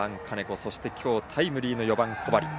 そして今日タイムリーの４番、小針。